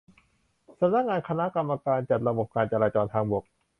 สำนักงานคณะกรรมการจัดระบบการจราจรทางบก